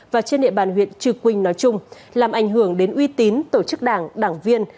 và trên địa bàn huyện trư quynh nói chung làm ảnh hưởng đến uy tín tổ chức đảng đảng viên